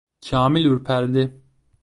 Kamil ürperdi.